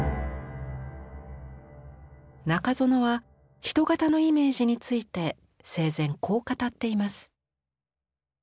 中園は人型のイメージについて生前こう語っています。